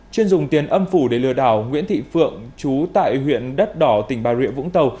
chuyên dùng tiền âm phủ để lừa đảo nguyễn thị phượng chú tại huyện đất đỏ tỉnh bà rịa vũng tàu